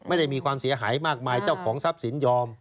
ไม่ได้มีความเสียหายมากมายเจ้าของทรัพย์สินยอม